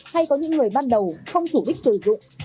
hay có những người ban đầu không chủ đích sử dụng